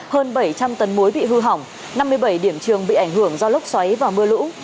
hơn bảy trăm linh tấn muối bị hư hỏng năm mươi bảy điểm trường bị ảnh hưởng do lốc xoáy và mưa lũ